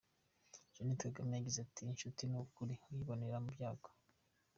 Jeannette Kagame yagize ati :”Inshuti y’ukuri uyibonera mu byago”.